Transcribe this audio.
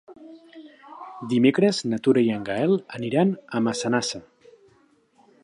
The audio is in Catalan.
Dimecres na Tura i en Gaël aniran a Massanassa.